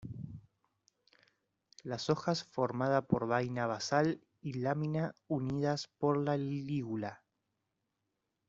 Las hojas formada por vaina basal y lámina, unidas por la lígula.